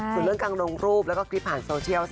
ส่วนเรื่องการลงรูปแล้วก็คลิปผ่านโซเชียล